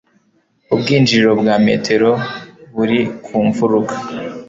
Ubwinjiriro bwa metero buri ku mfuruka.